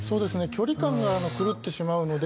距離感が狂ってしまうので。